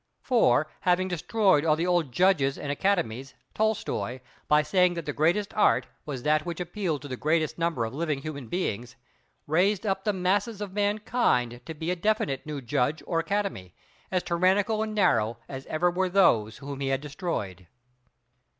For, having destroyed all the old Judges and Academies, Tolstoy, by saying that the greatest Art was that which appealed to the greatest number of living human beings, raised up the masses of mankind to be a definite new Judge or Academy, as tyrannical and narrow as ever were those whom he had destroyed.